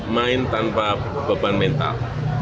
main tanpa beban mental